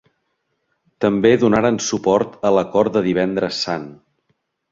També donaren suport a l'Acord de Divendres Sant.